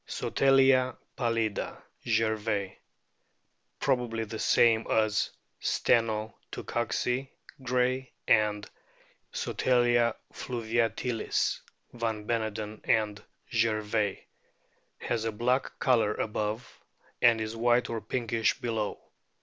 Solatia pallida, Gervais* (probably the same as Steno tuciixi, Gray, and Sotalia fluviatilis, van Beneden and Gervais), has a black colour above, and is white or pinkish below.